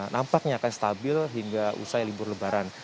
nampaknya akan stabil hingga usai libur lebaran